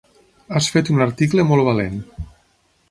Has fet un article molt valent.